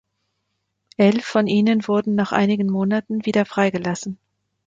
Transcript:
Elf von ihnen wurden nach einigen Monaten wieder freigelassen.